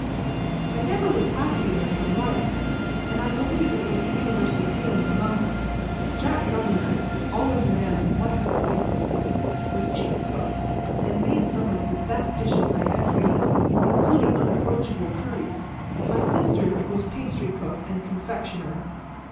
I never was happier in my life, and I believe it was the universal feeling among us. Jack Governor, always a man of wonderful resources, was Chief Cook, and made some of the best dishes I ever ate, including unapproachable curries. My sister was pastrycook and confectioner.